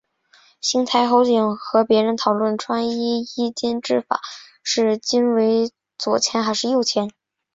行台侯景和别人讨论穿衣衣襟之法是襟为左前还是右前。